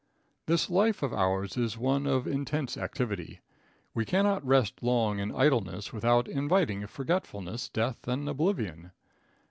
This life of ours is one of intense activity. We cannot rest long in idleness without inviting forgetfulness, death and oblivion.